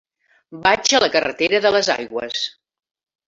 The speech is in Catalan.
Vaig a la carretera de les Aigües.